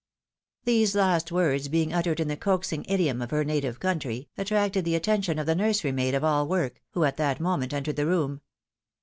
These last words being uttered in the coaxing idiom of her native country, attracted the attention of the nursery maid of all work, who at that moment entered the room.